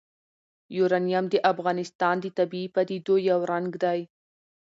یورانیم د افغانستان د طبیعي پدیدو یو رنګ دی.